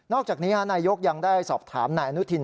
อกจากนี้นายยกยังได้สอบถามนายอนุทิน